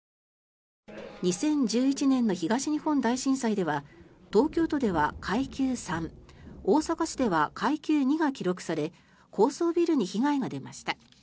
２０１１年の東日本大震災では東京都では階級３大阪市では階級２が記録され高層ビルに被害が出ました。